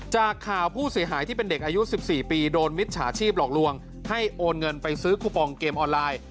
จากข่าวผู้เสียหายที่เป็นเด็กอายุ๑๔ปีโดนมิจฉาชีพหลอกลวงให้โอนเงินไปซื้อคูปองเกมออนไลน์